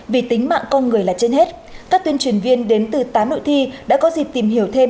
vì tính mạng con người là trên hết các tuyên truyền viên đến từ tám đội thi đã có dịp tìm hiểu thêm